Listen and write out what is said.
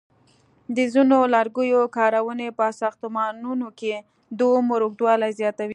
د ځینو لرګیو کارونې په ساختمانونو کې د عمر اوږدوالی زیاتوي.